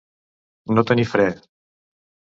No tenir fre.